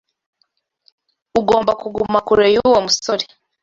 Ugomba kuguma kure yuwo musore.